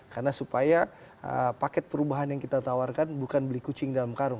karena supaya paket perubahan yang kita tawarkan bukan beli kucing dalam karung